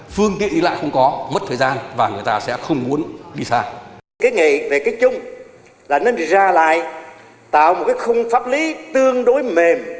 kế nghị về kết chung là nên ra lại tạo một khung pháp lý tương đối mềm